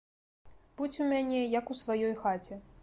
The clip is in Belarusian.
Будзь у мяне, як у сваёй хаце.